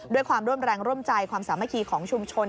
ด้วยความร่วมแรงร่วมใจความสามัคคีของชุมชน